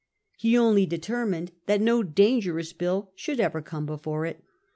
He only determined that no dangerous bill should ever come before it.